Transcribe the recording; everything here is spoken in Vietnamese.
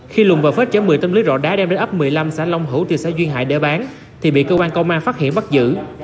khi lùng và phết chở một mươi tâm lý rọ đá đem đến ấp một mươi năm xã long hữu thị xã duyên hải để bán thì bị cơ quan công an phát hiện bắt giữ